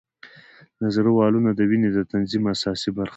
د زړه والونه د وینې د تنظیم اساسي برخه ده.